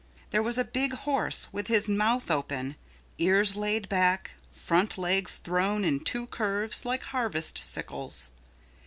There was a big horse with his mouth open, ears laid back, front legs thrown in two curves like harvest sickles.